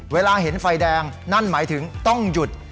เวลาเห็นไฟแดงนั่นหมายถึงต้องหยุด